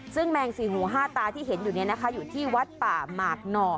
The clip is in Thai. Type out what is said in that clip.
ซึ่งแม่ง๔หู๕ตาที่เห็นอยู่นี่นะคะอยู่ที่วัดปลาหมากหนอ